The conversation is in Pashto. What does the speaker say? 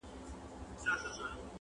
په لوی لاس به مي ځان وسپارم عذاب ته٫